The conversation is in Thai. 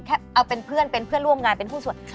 เอาเป็นเพื่อนเป็นเพื่อนร่วมงานเป็นหุ้นส่วน